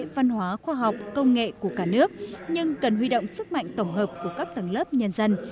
văn hóa khoa học công nghệ của cả nước nhưng cần huy động sức mạnh tổng hợp của các tầng lớp nhân dân